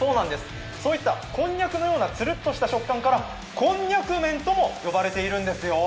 こんにゃくのような、つるっとした食感からこんにゃく麺とも呼ばれているんですよ。